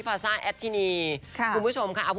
เป็นสไตล์